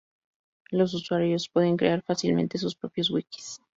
Los usuarios pueden crear fácilmente sus propios wikis.